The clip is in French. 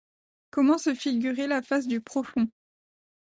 Comment se figurer la face du profond